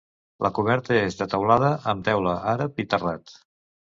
La coberta és de teulada amb teula àrab i terrat.